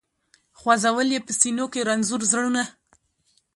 خو ځول یې په سینو کي رنځور زړونه